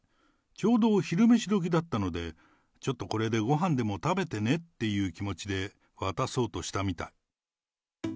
ちょうど昼飯どきだったので、ちょっとこれでごはんでも食べてねっていう気持ちで、渡そうとしたみたい。